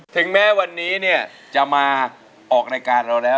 ถึงแม้วันนี้เนี่ยจะมาออกรายการเราแล้ว